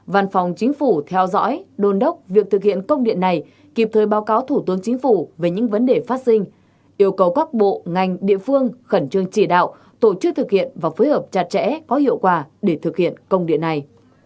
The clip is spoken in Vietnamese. văn phòng chính phủ theo dõi đồn đốc việc thực hiện công điện này kịp thời báo cáo thủ tướng chính phủ về những vấn đề phát sinh yêu cầu các bộ ngành địa phương khẩn trương chỉ đạo tổ chức thực hiện và phối hợp chặt chẽ có hiệu quả để thực hiện công điện này